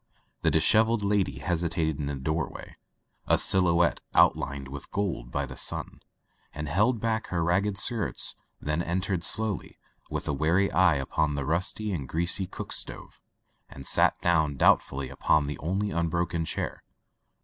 The dishevelled lady hesitated in the door way, — a silhouette outlined with gold by the [ 288 ] Digitized by LjOOQ IC Son of the Woods sun, — and held back her ragged skirts, then entered slowly, with a wary eye upon the rusty and greasy cook stove, and sat down doubtfully upon the only unbroken chair.